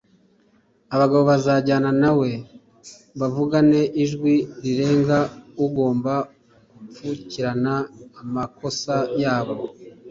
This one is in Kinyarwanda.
abagabo bazajyana nawe bavugane ijwi rirenga ugomba gupfukirana amakosa yabo